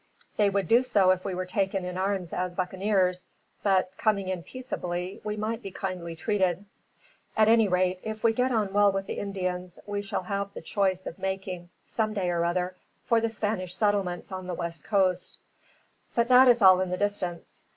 They would do so if we were taken in arms as buccaneers; but, coming in peaceably, we might be kindly treated. At any rate, if we get on well with the Indians we shall have the choice of making, some day or other, for the Spanish settlements on the west coast; but that is all in the distance.